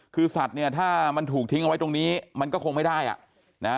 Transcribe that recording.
คือสัตว์เนี่ยถ้ามันถูกทิ้งเอาไว้ตรงนี้มันก็คงไม่ได้อ่ะนะ